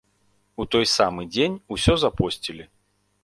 У той самы дзень усё запосцілі!